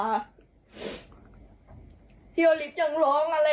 ที่โอลีฟยังร้องอะไรก็ไม่รู้อะไรอย่างเงี้ย